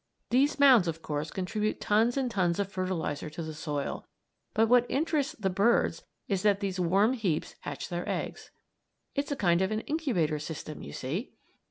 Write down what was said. These mounds, of course, contribute tons and tons of fertilizer to the soil, but what interests the birds is that these warm heaps hatch their eggs. It's a kind of an incubator system, you see.